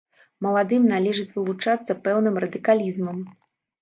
Маладым належыць вылучацца пэўным радыкалізмам.